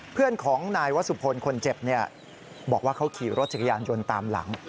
เพื่อนของนายวสุพลคนเจ็บบอกว่าเขาขี่รถจักรยานยนต์ตามหลัง